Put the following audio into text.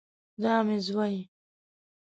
دا مې زوی